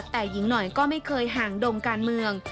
แต่หญิงหน่อยก็ไม่เคยห่างดมการเมือง